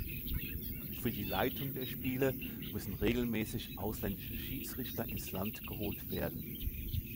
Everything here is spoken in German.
Für die Leitung der Spiele müssen regelmäßig ausländische Schiedsrichter ins Land geholt werden.